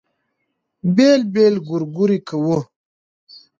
بېل بېل ګورګورې کوو.